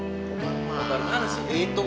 kobar mana sih